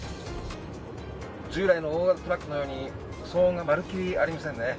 従来の大型トラックのように騒音がまるっきりありませんね。